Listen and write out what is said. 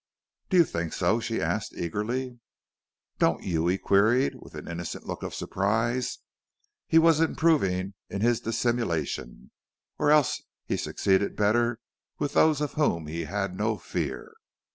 "Do you think so?" she asked eagerly. "Don't you?" he queried, with an innocent look of surprise. He was improving in his dissimulation, or else he succeeded better with those of whom he had no fear.